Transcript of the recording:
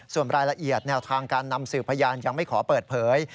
ส่วนรายละเอียดแนวทางการนำสืบพยานยังไม่ขอเปิดเผย